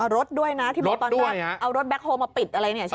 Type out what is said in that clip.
รถด้วยนะที่บอกตอนแรกเอารถแบคโฮมมาปิดอะไรนี่ใช่ไหมครับ